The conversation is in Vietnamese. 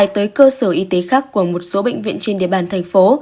tới cơ sở y tế khác của một số bệnh viện trên địa bàn thành phố